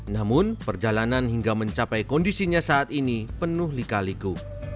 namun perjalanan hingga mencapai kondisinya saat ini penuh lika liku